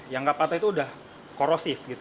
yang nggak patah itu sudah korosif gitu